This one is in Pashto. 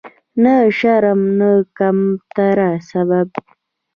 نه د شرم او کمترۍ سبب.